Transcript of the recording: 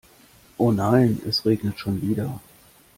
Oh, nein, es regnet schon wieder.